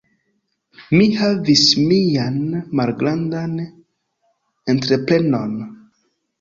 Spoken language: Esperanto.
Mi havis mian malgrandan entreprenon.